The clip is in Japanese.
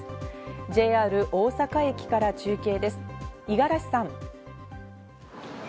ＪＲ大阪駅から中継です、五十嵐さん。